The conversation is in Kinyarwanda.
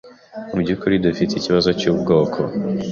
Mubyukuri, dufite ikibazo cyubwoko.